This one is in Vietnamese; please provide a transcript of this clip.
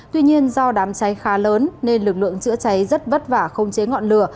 tuy nhiên do đám cháy khá lớn nên lực lượng chữa cháy rất vất vả không chế ngọn lửa